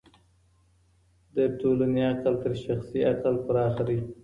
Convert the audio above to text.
د ټولني عقل تر شخصي عقل پراخه دی.